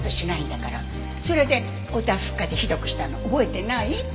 それでおたふく風邪ひどくしたの覚えてない？